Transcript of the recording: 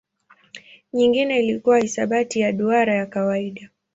Nyingine ilikuwa hisabati ya duara ya kawaida.